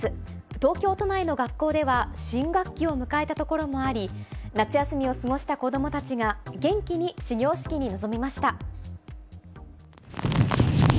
東京都内の学校では新学期を迎えたところもあり、夏休みを過ごした子どもたちが元気に始業式に臨みました。